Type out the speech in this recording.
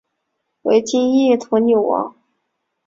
为金印驼纽王。